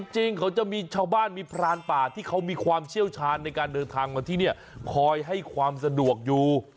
จริงเขาจะมีชาวบ้านมีพรานป่าที่เขามีความเชี่ยวชาญในการเดินทางมาที่นี่คอยให้ความสะดวกอยู่